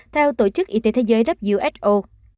theo tổ chức y tế thế giới who